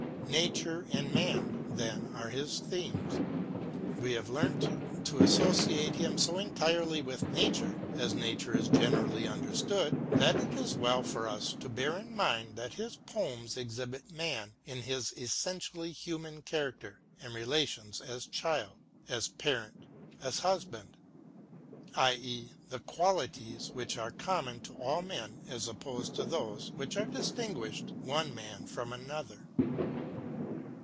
Nature and man, then, are his themes. We have learnt to associate him so entirely with Nature, as Nature is generally understood, that it is well for us to bear in mind that his poems exhibit man in his essentially human character and relations as child, as parent, as husband, i.e. the qualities which are common to all men as opposed to those which distinguish one man from another.